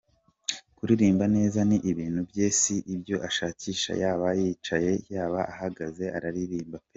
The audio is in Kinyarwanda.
Kuririmba neza ni ibintu bye si ibyo ashakisha, yaba yicaye yaba ahagaze araririmba pe.